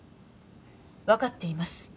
分かっています